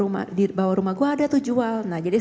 mereka ndangan kearang